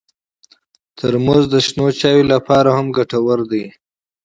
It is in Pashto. ترموز د قهوې لپاره هم ګټور دی.